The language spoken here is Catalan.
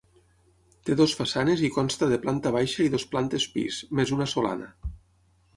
Té dues façanes i consta de planta baixa i dues plantes pis, més una solana.